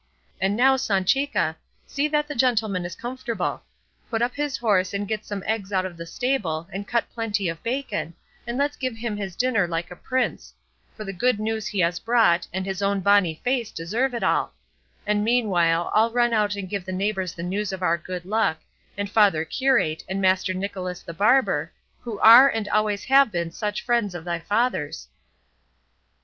And now, Sanchica, see that the gentleman is comfortable; put up his horse, and get some eggs out of the stable, and cut plenty of bacon, and let's give him his dinner like a prince; for the good news he has brought, and his own bonny face deserve it all; and meanwhile I'll run out and give the neighbours the news of our good luck, and father curate, and Master Nicholas the barber, who are and always have been such friends of thy father's."